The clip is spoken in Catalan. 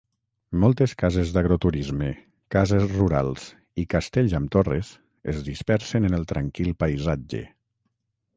Moltes cases d'agroturisme, cases rurals i castells amb torres es dispersen en el tranquil paisatge.